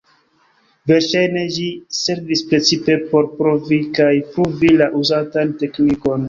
Verŝajne ĝi servis precipe por provi kaj pruvi la uzatan teknikon.